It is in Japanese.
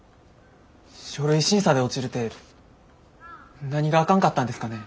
書類審査で落ちるて何があかんかったんですかね。